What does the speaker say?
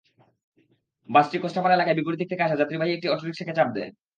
বাসটি কস্টাপাড়া এলাকায় বিপরীত দিক থেকে আসা যাত্রীবাহী একটি অটোরিকশাকে চাপা দেয়।